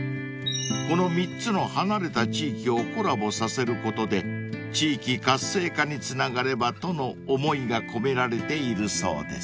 ［この３つの離れた地域をコラボさせることで地域活性化につながればとの思いが込められているそうです］